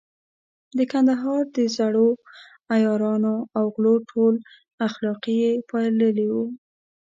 د کندهار د زړو عیارانو او غلو ټول اخلاق يې پاللي وو.